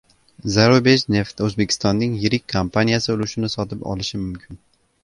“Zarubejneft” O‘zbekistonning yirik kompaniyasi ulushini sotib olishi mumkin